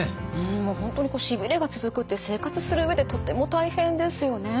本当にしびれが続くって生活する上でとっても大変ですよね。